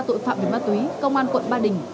tội phạm về ma túy công an quận ba đình